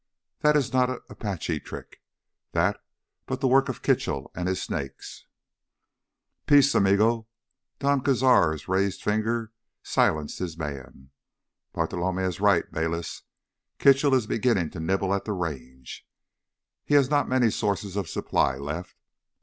That is not Apache trick, that, but the work of Kitchell and his snakes!" "Peace, amigo." Don Cazar's raised finger silenced his man. "Bartolomé is right, Bayliss. Kitchell is beginning to nibble at the Range. He has not many sources of supply left.